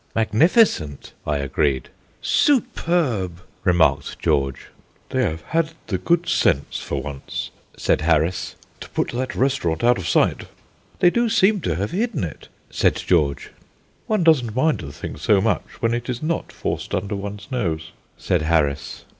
"Magnificent," I agreed. "Superb," remarked George. "They have had the good sense for once," said Harris, "to put that restaurant out of sight." "They do seem to have hidden it," said George. "One doesn't mind the thing so much when it is not forced under one's nose," said Harris.